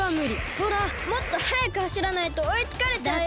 ほらもっとはやくはしらないとおいつかれちゃうよ。